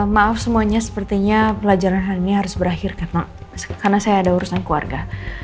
maaf semuanya sepertinya pelajaran hal ini harus berakhir karena saya ada urusan keluarga